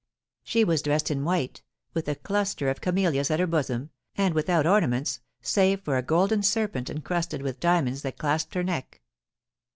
She was dressed in white, with a cluster of camellias at her bosom, and without ornaments, save for a golden serpent encrusted with diamonds that clasped her neck.